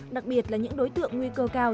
đặc biệt là những đối tượng nguy cơ cao